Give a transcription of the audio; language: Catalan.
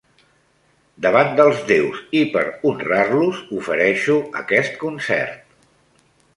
Davant dels déus, i per honrar-los, ofereixo aquest concert.